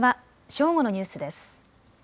正午のニュースです。